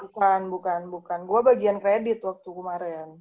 bukan bukan gue bagian kredit waktu kemarin